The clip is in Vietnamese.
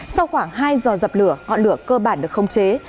sau khoảng hai giờ dập lửa ngọn lửa cơ bản được không chế